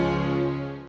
sampai jumpa lagi